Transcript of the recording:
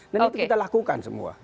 dan itu kita lakukan semua